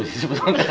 belum sih sebetulnya